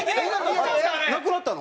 なくなったの？